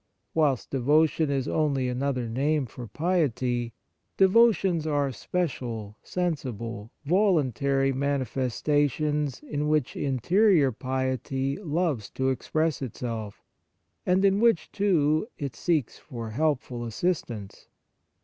Whilst devotion is only another name for piety, devotions are special, sensible, voluntary manifesta tions in which interior piety loves to express itself, and in which, too, it seeks for helpful assistance.